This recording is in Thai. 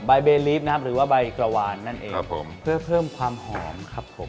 ใบเบลีฟนะครับหรือว่าใบกระวานนั่นเองครับผมเพื่อเพิ่มความหอมครับผม